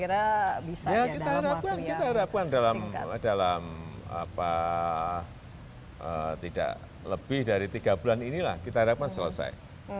ya kita harapkan dalam tidak lebih dari tiga bulan inilah kita harapkan selesai